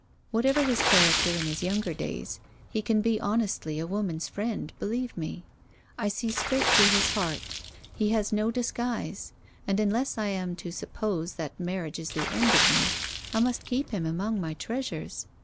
Whatever his character in his younger days, he can be honestly a woman's friend, believe me. I see straight to his heart; he has no disguise; and unless I am to suppose that marriage is the end of me, I must keep him among my treasures.